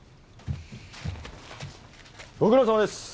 ご苦労さまです！